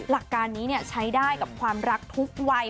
หลักการนี้ใช้ได้กับความรักทุกวัย